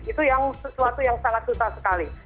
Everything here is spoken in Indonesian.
itu yang sesuatu yang sangat susah sekali